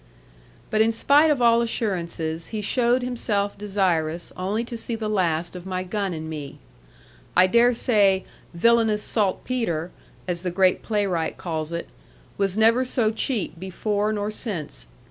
But in spite of all assurances, he showed himself desirous only to see the last of my gun and me. I dare say 'villainous saltpetre,' as the great playwright calls it, was never so cheap before nor since.